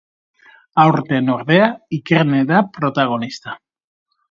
Aurten, ordea, Ikerne da protagonista.